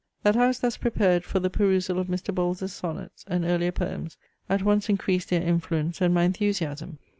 That I was thus prepared for the perusal of Mr. Bowles's sonnets and earlier poems, at once increased their influence, and my enthusiasm.